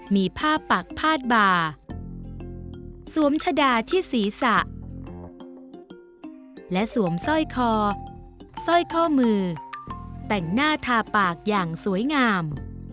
มีผ้าปากพาดบ่าสวมชะดาที่ศีรษะและสวมสร้อยคอสร้อยข้อมือแต่งหน้าทาปากอย่างสวยงาม